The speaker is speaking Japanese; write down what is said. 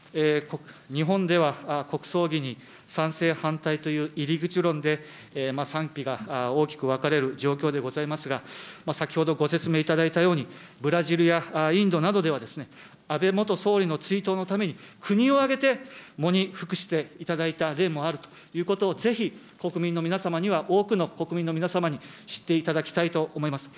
日本では国葬儀に賛成、反対という入り口論で、賛否が大きく分かれる状況でございますが、先ほどご説明いただいたように、ブラジルやインドなどでは、安倍元総理の追悼のために、国を挙げて喪に服していただいた例もあるということを、ぜひ国民の皆様には、多くの国民の皆様に知っていただきたいと思います。